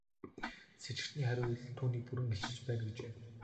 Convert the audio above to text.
Сэжигтний хариу үйлдэл түүнийг бүрэн илчилж байна гэжээ.